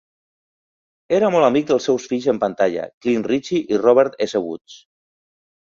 Era molt amic dels seus fills en pantalla, Clint Ritchie i Robert S. Woods.